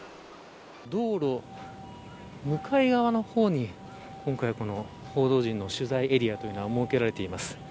道路、向かい側の方に今回、報道陣の取材エリアというのが設けられています。